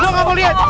gue gak mau liat